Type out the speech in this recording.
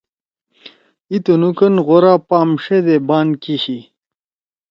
اِی تنُو کن غورا پام ݜے دے بان کیِشی۔